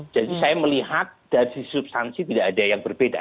jadi saya melihat dari substansi tidak ada yang berbeda